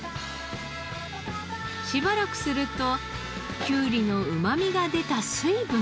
しばらくするときゅうりのうまみが出た水分が。